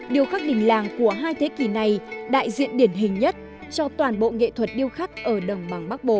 điều khắc đỉnh làng của hai thế kỷ này đại diện điển hình nhất cho toàn bộ nghệ thuật điêu khắc ở đồng bằng bắc bộ